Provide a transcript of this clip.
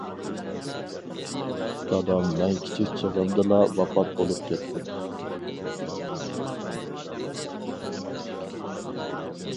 دادام مەن كىچىك چېغىمدىلا ۋاپات بولۇپ كەتتى.